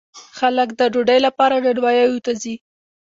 خلک د ډوډۍ لپاره نانواییو ته ځي.